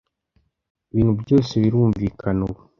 Ibintu byose birumvikana ubu.